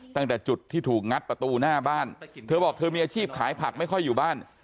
ตั้งแต่จุดที่ถูกงัดประตูหน้าบ้านเธอบอกเธอมีอาชีพขายผักไม่ค่อยอยู่บ้าน